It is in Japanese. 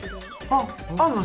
あっあんの？